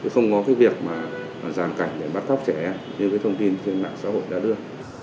không có việc giàn cảnh để bắt cóc trẻ em như thông tin trên mạng xã hội đã đưa